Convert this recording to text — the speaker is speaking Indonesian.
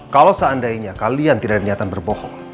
kalau seandainya kalian tidak ada niatan berbohong